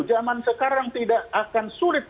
zaman sekarang tidak akan sulit